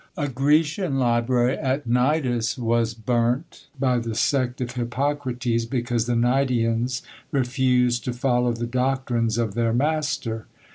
A Grecian library at Gnidus was burnt by the sect of Hippocrates, because the Gnidians refused to follow the doctrines of their master.